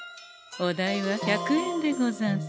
お代は１００円でござんす。